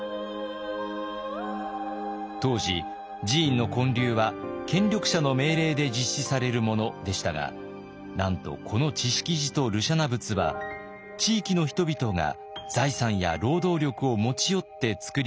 当時寺院の建立は権力者の命令で実施されるものでしたがなんとこの智識寺と盧舎那仏は地域の人々が財産や労働力を持ち寄ってつくり上げたものだったのです。